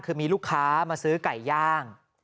คือมีลูกค้ามาซื้อไก่ย่าง